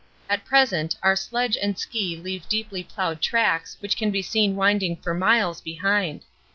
At present our sledge and ski leave deeply ploughed tracks which can be seen winding for miles behind.